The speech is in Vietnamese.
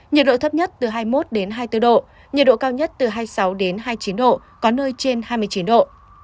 nhiệt độ thấp nhất từ hai mươi một hai mươi bốn độ nhiệt độ cao nhất từ hai mươi sáu đến hai mươi chín độ có nơi trên hai mươi chín độ